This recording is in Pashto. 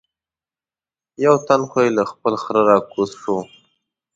یو تن خو یې له خپل خره را کوز شو.